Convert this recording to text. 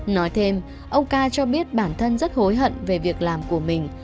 nói thêm ông ca cho biết bản thân rất hối hận về việc làm của mình